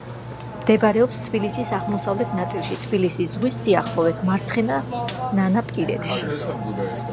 მდებარეობს თბილისის აღმოსავლეთ ნაწილში, თბილისის ზღვის სიახლოვეს, მარცხენანაპირეთში.